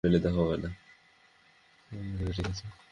লেবু ছাড়া, ঠিক আছে?